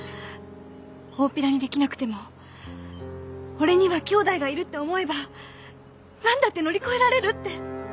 「大っぴらにできなくても俺には兄弟がいるって思えば何だって乗り越えられる」って。